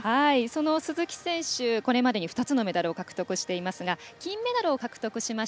その鈴木選手、これまでに２つのメダルを獲得していますが金メダル獲得しています